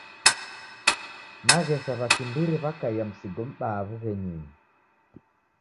Naghesha w'akimbiri w'akaia msigo m'baa w'ughenyunyi.